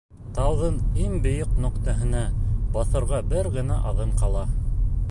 Тауҙың иң бейек нөктәһенә баҫырға бер генә аҙым ҡала.